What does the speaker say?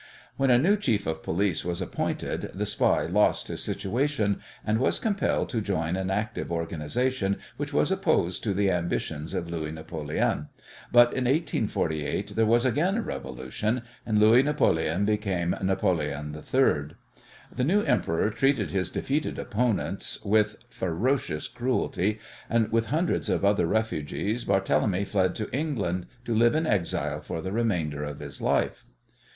When a new Chief of Police was appointed the spy lost his situation, and was compelled to join an active organization which was opposed to the ambitions of Louis Napoleon, but in 1848 there was again a revolution, and Louis Napoleon became Napoleon III. The new emperor treated his defeated opponents with ferocious cruelty, and with hundreds of other refugees Barthélemy fled to England to live in exile for the remainder of his life.